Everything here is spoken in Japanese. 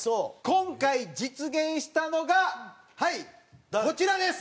今回実現したのがはいこちらです。